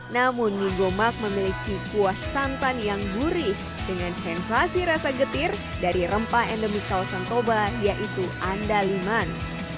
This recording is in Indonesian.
namun mie gomak memiliki kuah santan yang gurih dengan sensasi rasa getir dari rempah endemik kawasan toba yaitu andaliman